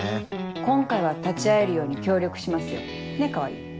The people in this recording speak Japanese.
今回は立ち会えるように協力しますよねっ川合。